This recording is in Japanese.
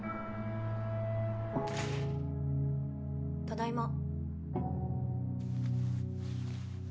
ただいま。